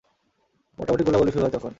মোটামুটি গোলাগুলি শুরু হয় তখন।